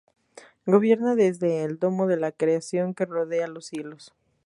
Gobierna desde el "Domo de la Creación", que rodea los cielos.